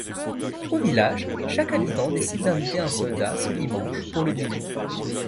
Au village, chaque habitant décide d'inviter un soldat, ce dimanche, pour le dîner.